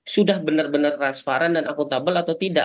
sudah benar benar transparan dan akutabel atau tidak